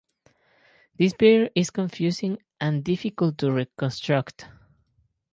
This period is confusing and difficult to reconstruct.